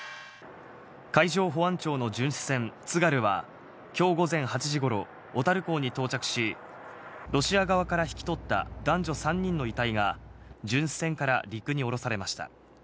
海上保安庁の巡視船「つがる」が今日午前８時頃、小樽港に到着し、ロシア側から引き取った男女３人の遺体が巡視船から陸に降ろされました。